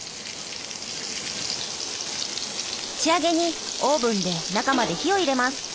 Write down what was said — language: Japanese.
仕上げにオーブンで中まで火を入れます。